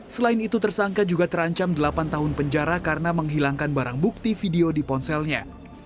selain itu tersangka juga terancam delapan tahun penjara karena menghilangkan barang bukti video di ponselnya